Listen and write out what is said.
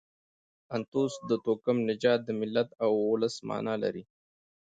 انتوس د توکم، نژاد، د ملت او اولس مانا لري.